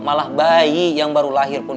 malah bayi yang baru lahir pun